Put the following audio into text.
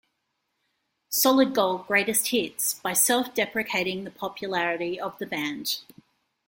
"Solid Gold - Greatest Hits" by self-deprecating the popularity of the band.